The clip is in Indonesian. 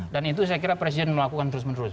dan itu saya kira presiden melakukan terus menerus